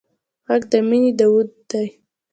غږ د مینې داوود دی